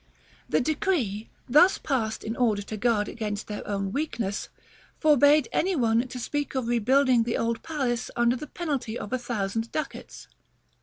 § XXI. The decree, thus passed in order to guard against their own weakness, forbade any one to speak of rebuilding the old palace under the penalty of a thousand ducats.